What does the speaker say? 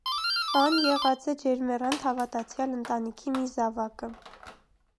Ան եղած է ջերմեռանդ հաւատացեալ ընտանիքի մը զաւակը։